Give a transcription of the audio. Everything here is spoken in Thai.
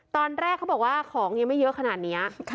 ตอนแรกเขาบอกว่าของยังไม่เยอะขนาดนี้